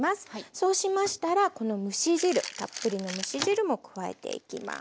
そうしましたらこの蒸し汁たっぷりの蒸し汁も加えていきます。